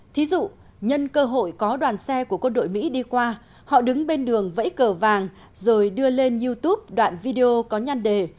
thí dụ nhân cơ hội có đoàn xe của quân đội mỹ đi qua họ đứng bên đường vẫy cờ vàng rồi đưa lên youtube đoạn video có nhăn đề